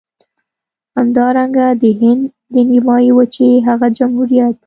همدارنګه د هند د نيمې وچې هغه جمهوريت.